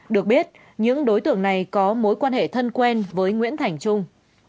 được biết những đối tượng này có mối quan hệ thân quen với nguyễn thành trung